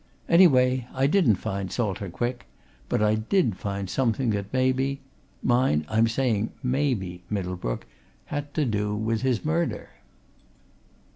Anyway, I didn't find Salter Quick but I did find something that maybe mind, I'm saying maybe, Middlebrook had to do with his murder."